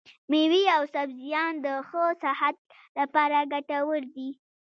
مېوې او سبزيان د ښه صحت لپاره ګټور دي.